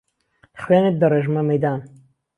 خوێنت دهرێژمه مهیدان